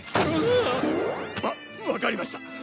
うわっ！わわかりました。